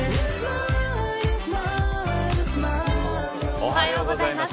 おはようございます。